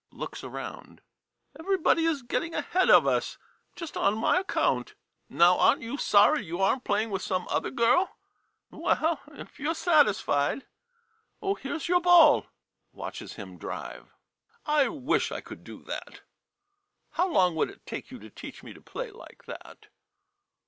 [Looks around.] Everybody is getting ahead of us, just on my account. Now, aren't you sorry you are n't playing with some other girl ? Well — if you 're satisfied ... Oh, here 's your ball. [Watches him drive.] I wish I could do that ! How long would it take you to teach me to play like that